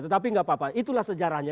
tetapi nggak apa apa itulah sejarahnya